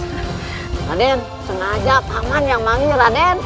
raden senang aja paman yang manggil raden